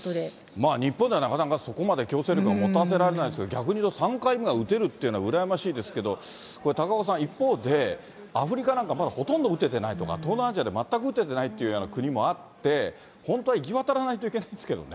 まあ、日本ではなかなか、そこまで強制力は持たせられないですけれども、逆に言うと３回目が打てるっていうのは羨ましいですけど、これ、高岡さん、一方で、アフリカなんかまだほとんど打ててないとか、東南アジアで全く打ててないっていうような国もあって、本当は行き渡らないといけないんですけどね。